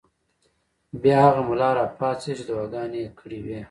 بیا هغه ملا راپاڅېد چې دعاګانې یې کړې وې.